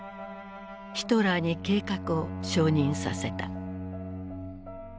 ヒトラーに計画を承認させた。